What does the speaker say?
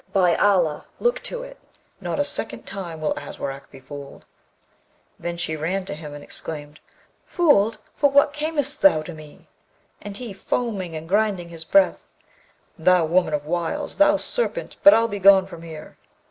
By Allah! look to it; not a second time will Aswarak be fooled.' Then she ran to him, and exclaimed, 'Fooled? For what cam'st thou to me?' And he, foaming and grinding his breath, 'Thou woman of wiles! thou serpent! but I'll be gone from here.'